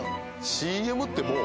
ＣＭってもう。